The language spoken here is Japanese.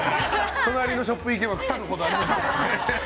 隣のショップ行けば腐るほどあります。